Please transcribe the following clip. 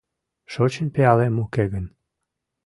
Шочын пиалем уке гын